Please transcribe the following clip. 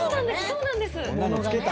そうなんです！